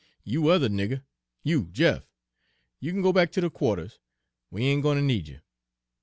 You other nigger, you Jeff, you kin go back ter de qua'ters. We ain' gwine ter need you.'